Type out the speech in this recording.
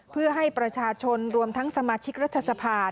เพื่อให้ประชาชนรวมทั้งสมาชิกรัฐสภา